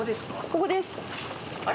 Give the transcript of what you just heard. ここです。